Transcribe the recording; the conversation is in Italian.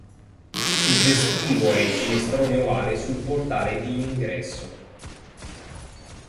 Suggestivo è il finestrone ovale sul portale di ingresso.